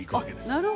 なるほど。